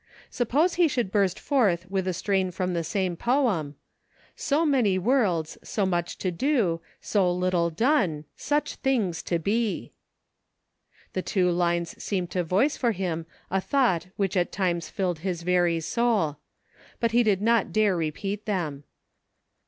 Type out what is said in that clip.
Suppose he should burst forth with a strain from the same poem : So many worlds, so much to do, So little done, such things to be 1 The two lines seemed to voice for him a thought which at times filled his very soul ; but he did not dare repeat them.